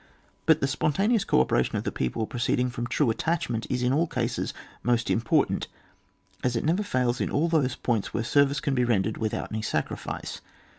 But the spontaneous co operation of the people proceeding from true attachment is in all cases most important, as it never fails in all those points where service can be rendered without any sacrifice.